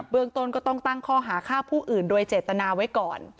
เมืองต้นก็ต้องตั้งข้อหาฆ่าผู้อื่นโดยเจตนาไว้ก่อน